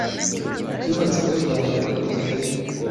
Icyubatswe bwa mbere muri kigali